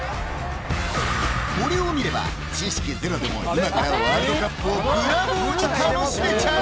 これを見れば、知識ゼロでも今からワールドカップをブラボーに楽しめちゃう！